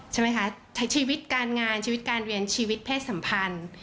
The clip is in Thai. ใช่ไหมคะใช้ชีวิตการงานชีวิตการเรียนชีวิตเพศสัมพันธ์